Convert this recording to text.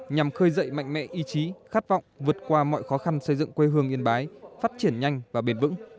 nhằm khơi dậy mạnh mẽ ý chí khát vọng vượt qua mọi khó khăn xây dựng quê hương yên bái phát triển nhanh và bền vững